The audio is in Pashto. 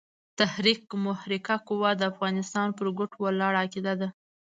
تحرک محرکه قوه د افغانستان پر ګټو ولاړه عقیده ده.